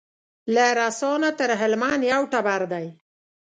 له رسا نه تر هلمند یو ټبر دی